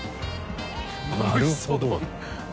なるほど。